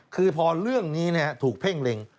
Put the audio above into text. คือพอเรื่องนี้ถูกเพ่งเล็ง